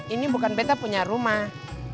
ini bukan peta punya rumah